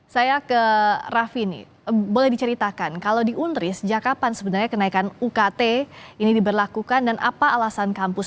saya ke raffini boleh diceritakan kalau di unri sejak kapan sebenarnya kenaikan ukt ini diberlakukan dan apa alasan kampus